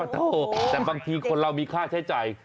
โทษแต่บางทีคนเรามีค่าใช้จ่าย